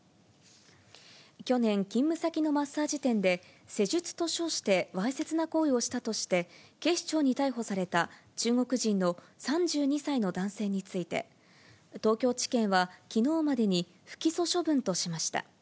去年、勤務先のマッサージ店で、施術と称してわいせつな行為をしたとして、警視庁に逮捕された中国人の３２歳の男性について、東京地検は、きのうまでに不起訴処分としました。